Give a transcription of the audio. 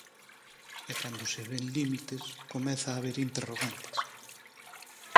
E cando se ven límites comeza a haber interrogantes.